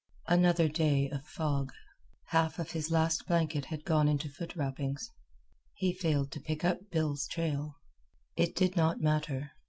Another day of fog. Half of his last blanket had gone into foot wrappings. He failed to pick up Bill's trail. It did not matter.